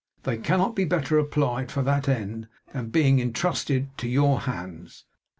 They cannot be better applied, for that end, than by being entrusted to your hands.